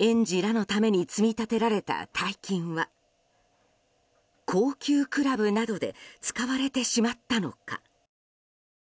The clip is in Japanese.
園児らのために積み立てられた大金は高級クラブなどで使われてしまったのか。